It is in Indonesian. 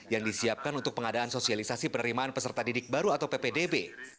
yang disiapkan untuk pengadaan sosialisasi penerimaan peserta didik baru atau ppdb